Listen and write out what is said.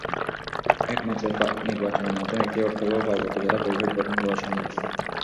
একমাত্র নির্বাচনের মাধ্যমে একটি অর্থবহ পার্বত্য জেলা পরিষদ গঠন করা সম্ভব।